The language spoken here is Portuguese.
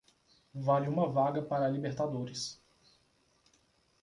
Vale uma vaga para a Libertadores.